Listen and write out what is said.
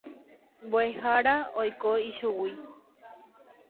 Mbo'ehára oiko ichugui.